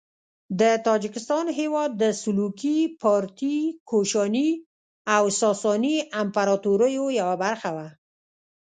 د تاجکستان هیواد د سلوکي، پارتي، کوشاني او ساساني امپراطوریو یوه برخه وه.